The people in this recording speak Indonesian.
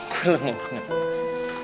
gue lemah banget